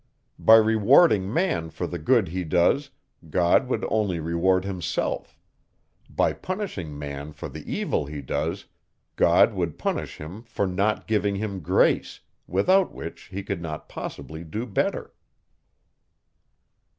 By rewarding man for the good he does, God would only reward himself; by punishing man for the evil he does, God would punish him for not giving him grace, without which he could not possibly do better.